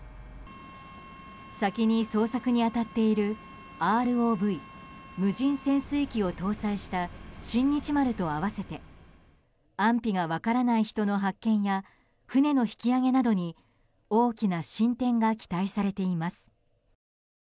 先に捜索に当たっているＲＯＶ・無人潜水機を搭載した「新日丸」と併せて安否が分からない人の発見や船の引き揚げなどに大きな進展が期待されています。